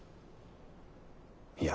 いや。